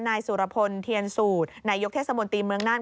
นายสุรพลเทียนสูตรนายกเทศมนตรีเมืองน่าน